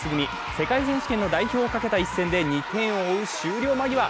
世界選手権の代表をかけた一戦で２点を追う終了間際。